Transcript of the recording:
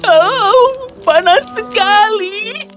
oh panas sekali